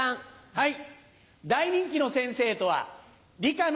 はい。